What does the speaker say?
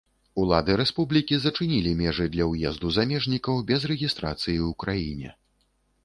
Улады рэспублікі зачынілі межы для ўезду замежнікаў, без рэгістрацыі ў краіне.